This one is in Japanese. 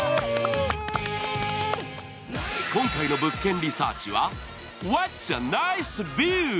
今回の「物件リサーチ」はワッツ・ア・ナイス・ビュー。